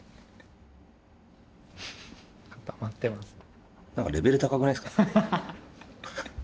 固まってますね。